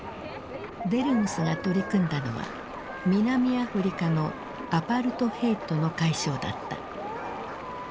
デルムスが取り組んだのは南アフリカのアパルトヘイトの解消だった。